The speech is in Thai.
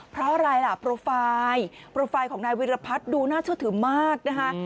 เพราะอะไรล่ะโปรไฟล์โปรไฟล์ของนายวิรพัฒน์ดูน่าเชื่อถือมากนะคะ